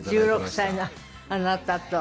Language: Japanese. １６歳のあなたと。